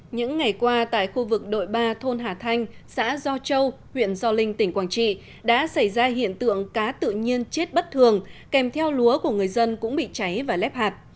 những ngày qua tại khu vực đội ba thôn hà thanh xã do châu huyện do linh tỉnh quảng trị đã xảy ra hiện tượng cá tự nhiên chết bất thường kèm theo lúa của người dân cũng bị cháy và lép hạt